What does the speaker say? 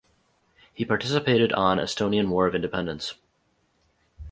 He participated on Estonian War of Independence.